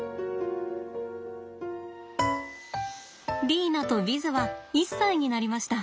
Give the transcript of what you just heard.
リーナとヴィズは１歳になりました。